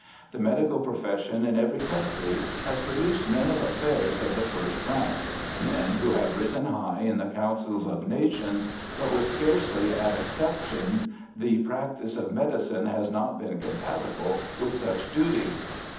The medical profession in every country has produced men of affairs of the first rank, men who have risen high in the councils of nations, but with scarcely an exception the practice of medicine has not been compatible with such duties.